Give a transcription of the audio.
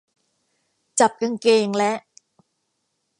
จับกางเกงและ